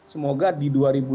semoga di dua ribu dua puluh